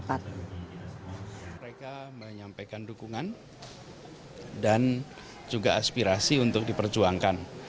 apakah dia akan berhasil melakukan penyelenggaraan tangan dengan kesehatan kekuasaan